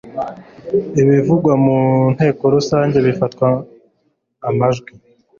ibivugwa mu nteko rusange bifatwa amajwi